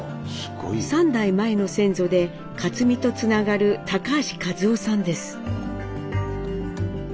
３代前の先祖で克実とつながる橋一夫さんです。